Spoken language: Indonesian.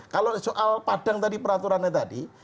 kalau soal padang tadi peraturannya tadi